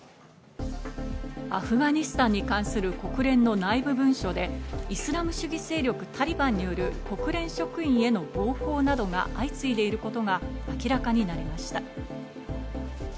アフガニスタンに関する国連の内部文書でイスラム主義勢力・タリバンによる国連職員への暴行などが相次いでいることが明らかになりました。